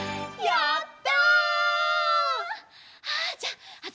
やった！